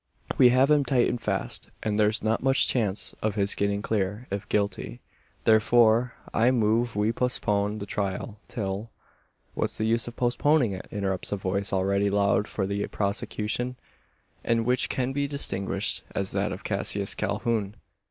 We have him tight and fast; and there's not much chance of his getting clear if guilty. Therefore, I move we postpone the trial, till " "What's the use of postponing it?" interrupts a voice already loud for the prosecution, and which can be distinguished as that of Cassius Calhoun.